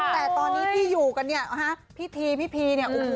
แต่ตอนนี้ที่อยู่กันเนี่ยฮะพี่ทีพี่พีเนี่ยโอ้โห